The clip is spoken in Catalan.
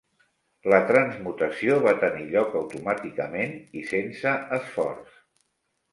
La transmutació va tenir lloc automàticament i sense esforç.